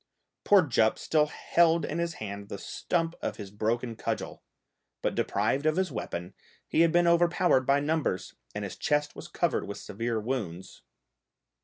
Poor Jup still held in his hand the stump of his broken cudgel, but deprived of his weapon he had been overpowered by numbers, and his chest was covered with severe wounds.